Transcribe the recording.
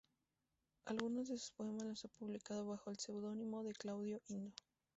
Algunos de sus poemas los ha publicado bajo el pseudónimo de Claudio Indo.